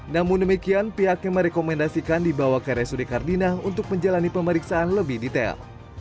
namun demikian pihak yang merekomendasikan dibawa ke resurikardina untuk menjalani pemeriksaan lebih detail